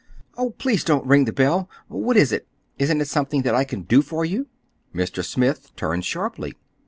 "Oh, please, don't ring the bell! What is it? Isn't it something that I can do for you?" Mr. Smith turned sharply.